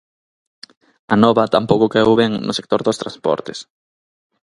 A nova tampouco caeu ben no sector dos transportes.